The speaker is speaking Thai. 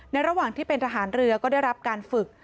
ระหว่างที่เป็นทหารเรือก็ได้รับการฝึก